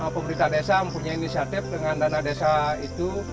pemerintah desa mempunyai inisiatif dengan dana desa itu